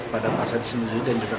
pada pihak warga